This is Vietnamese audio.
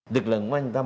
được lần ngoanh ra mặt